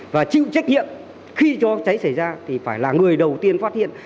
và chịu trách nhiệm khi cho cháy xảy ra thì phải là người đầu tiên phát hiện